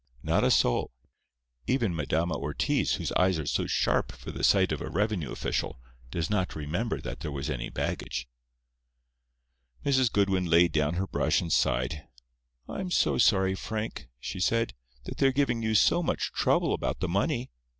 "Not a soul. Even Madama Ortiz, whose eyes are so sharp for the sight of a revenue official, does not remember that there was any baggage." Mrs. Goodwin laid down her brush and sighed. "I am so sorry, Frank," she said, "that they are giving you so much trouble about the money.